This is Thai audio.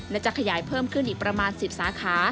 และจะขยายเพิ่มขึ้นอีกประมาณ๑๐สาขา